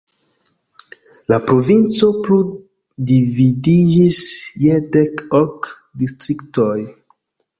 La provinco plu dividiĝis je dek ok distriktoj.